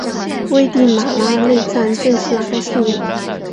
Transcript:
危地马拉内战正式拉开序幕。